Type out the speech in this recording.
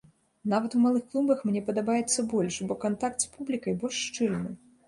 Нават у малых клубах мне падабаецца больш, бо кантакт з публікай больш шчыльны.